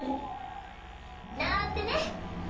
なーんてね！